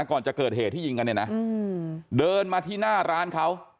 ก่อนจะเกิดเหตุที่ยิงกันเนี่ยนะเดินมาที่หน้าร้านเขา